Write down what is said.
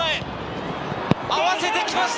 合わせて来ました！